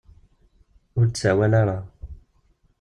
Ur d-tsawala ara.